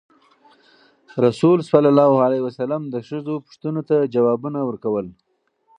رسول ﷺ د ښځو پوښتنو ته ځوابونه ورکول.